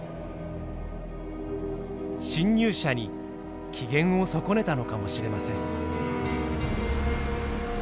侵入者に機嫌を損ねたのかもしれません。